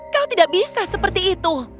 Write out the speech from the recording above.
kau tidak bisa seperti itu